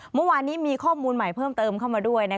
เมื่อวานนี้มีข้อมูลใหม่เพิ่มเติมเข้ามาด้วย